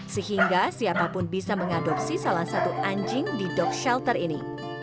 sehingga siapapun bisa mengadopsi salah satu anjing di dock shelter ini